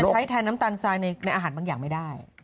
ใช้แทนน้ำตาลทรายในอาหารบางอย่างไม่ได้